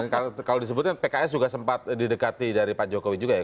kalau disebutkan pks juga sempat didekati dari pak jokowi juga ya